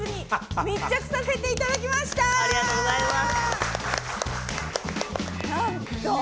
ありがとうございます。